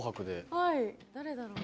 はい誰だろう？